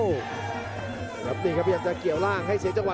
แล้วนี่ครับพยายามจะเกี่ยวล่างให้เสียจังหว